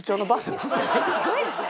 すごいですね。